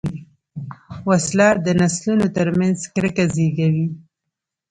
وسله د نسلونو تر منځ کرکه زېږوي